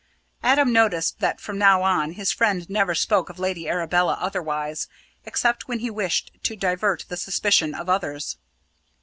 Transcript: Adam noticed that from now on, his friend never spoke of Lady Arabella otherwise, except when he wished to divert the suspicion of others.